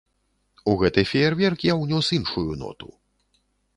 У гэты феерверк я ўнёс іншую ноту.